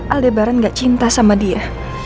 aldebaran gak cinta sama dia